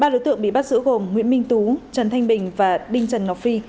ba đối tượng bị bắt giữ gồm nguyễn minh tú trần thanh bình và đinh trần ngọc phi